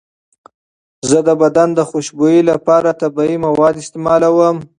زه د بدن د خوشبویۍ لپاره طبیعي مواد استعمالوم.